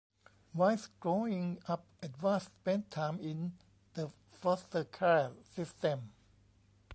Whilst growing up Edwards spent time in the foster care system.